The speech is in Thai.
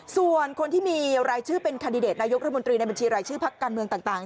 ส่วนคนที่มีรายชื่อเป็นคันดิเดตนายกรัฐมนตรีในบัญชีรายชื่อพักการเมืองต่าง